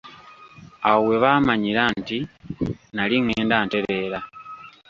Awo we baamanyira nti nnali ngenda ntereera.